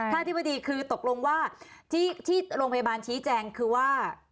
ถ้าที่พอคือทบวนว่าที่โรงพยาบาลชี้แจงคือว่า